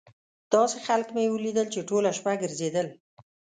داسې خلک مې ولیدل چې ټوله شپه ګرځېدل.